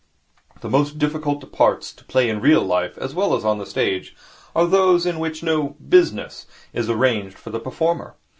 The most difficult parts to play in real life as well as on the stage are those in which no 'business' is arranged for the performer.